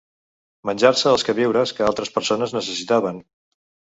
Menjar-se els queviures que altres persones necessitaven